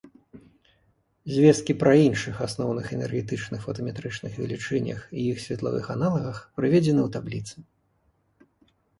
Звесткі пра іншых асноўных энергетычных фотаметрычных велічынях і іх светлавых аналагах прыведзены ў табліцы.